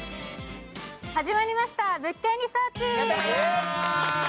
始まりました「物件リサーチ」。